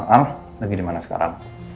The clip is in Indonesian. alf lagi di mana sekarang